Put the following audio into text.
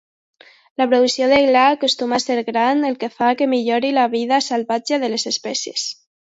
La producció de gla acostuma a ser gran, el que fa que millori la vida salvatge de les espècies.